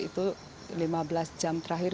itu lima belas jam terakhir